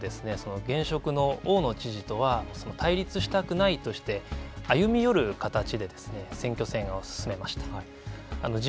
今回の選挙では現職の大野知事とは対立したくないとして歩み寄る形で選挙戦を進めました。